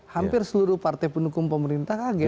hampir seluruh partai pendukung pemerintah kaget